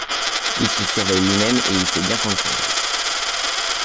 Il se surveille lui-même et il sait bien qu’on le surveille.